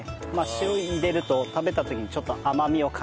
塩入れると食べた時にちょっと甘みを感じやすいので。